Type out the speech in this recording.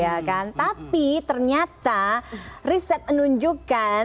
ya kan tapi ternyata riset menunjukkan